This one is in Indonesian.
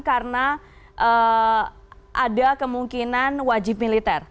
karena ada kemungkinan wajib militer